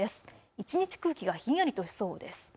一日空気がひんやりとしそうです。